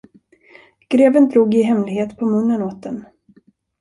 Greven drog i hemlighet på munnen åt den.